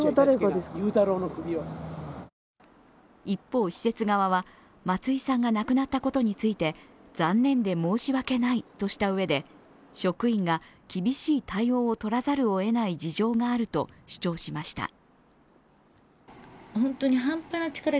一方、施設側は松井さんが亡くなったことについて残念で申し訳ないとしたうえで、職員が厳しい対応をとらざるをえない事情があると主張しました。